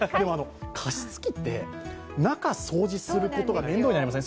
加湿器って、中、掃除することが面倒になりません？